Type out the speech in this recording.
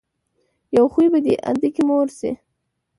يو خوي به دې ادکې مور شي.